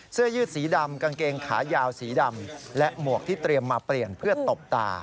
เสื้อยืดสีดำกางเกงขายาวสีดำและหมวกที่เตรียมมาเปลี่ยนเพื่อตบตา